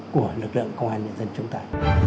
của lực lượng công an nhân dân chúng ta